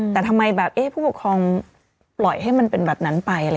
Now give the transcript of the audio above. แต่ทำไมแบบผู้ปกครองปล่อยให้มันเป็นแบบนั้นไป